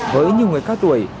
với nhiều người cao tuổi